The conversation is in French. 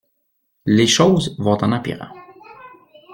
Les choses vont en empirant.